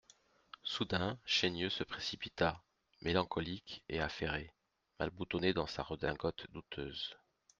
Soudain, Chaigneux se précipita, mélancolique et affairé, mal boutonné dans sa redingote douteuse.